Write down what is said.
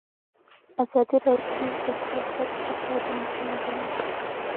ازادي راډیو د سیاست په اړه د مسؤلینو نظرونه اخیستي.